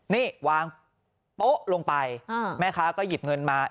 นี่วางโป๊ะลงไปแม่ค้าก็หยิบเงินมา